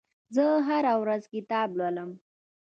زه هره ورځ کتاب لولم.